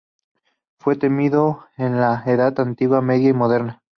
Fue temido en la Edad Antigua, Media y Moderna.